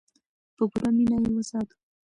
په پوره مینه یې وساتو.